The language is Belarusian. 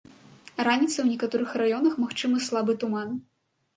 Раніцай у некаторых раёнах магчымы слабы туман.